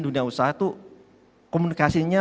dunia usaha itu komunikasinya